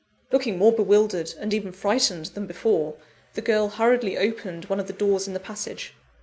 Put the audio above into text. Looking more bewildered, and even frightened, than before, the girl hurriedly opened one of the doors in the passage.